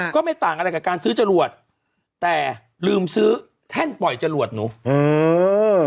ก็ไม่ต่างอะไรกับการซื้อจรวดแต่ลืมซื้อแท่นปล่อยจรวดหนูเออ